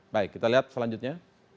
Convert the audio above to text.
baik kita lihat selanjutnya